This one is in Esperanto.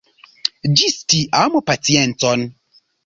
Ĝis tiam, paciencon.